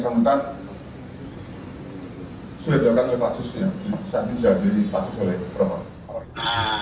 saat ini sudah di pasus oleh promos